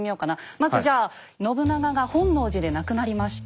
まずじゃあ信長が本能寺で亡くなりました。